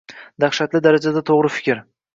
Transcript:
Dahshatli darajada to’g’ri fikr